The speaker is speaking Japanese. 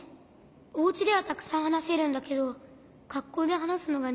おうちではたくさんはなせるんだけどがっこうではなすのがにがてなの。